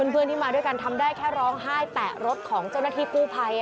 เพื่อนที่มาด้วยกันทำได้แค่ร้องไห้แตะรถของเจ้าหน้าที่กู้ภัย